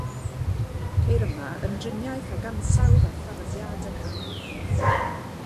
Ceir yma ymdriniaeth ag ansawdd a tharddiad y canu rhydd.